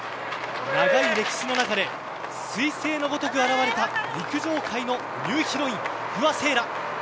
長い歴史の中ですい星のごとく現れた陸上界のニューヒロイン不破聖衣来。